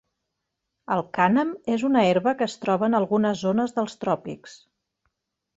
El cànem és una herba que es troba en algunes zones dels tròpics.